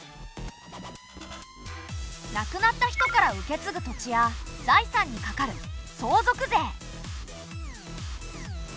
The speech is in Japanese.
亡くなった人から受けつぐ土地や財産にかかる相続税。